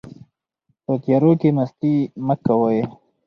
په تیارو کې مستي مه کوئ.